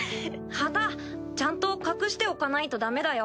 旗ちゃんと隠しておかないとダメだよ